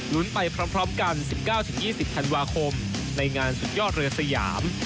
ไปพร้อมกัน๑๙๒๐ธันวาคมในงานสุดยอดเรือสยาม